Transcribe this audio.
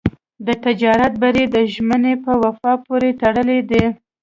د تجارت بری د ژمنې په وفا پورې تړلی دی.